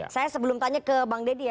saya sebelum tanya ke bang deddy ya